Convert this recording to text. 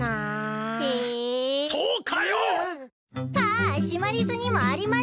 あシマリスにもありました！